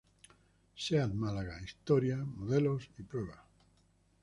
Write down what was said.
Seat Málaga: historia, modelos y prueba